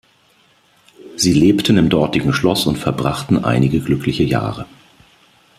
Sie lebten im dortigen Schloss und verbrachten einige glückliche Jahre.